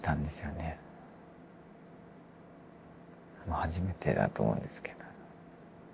初めてだと思うんですけど。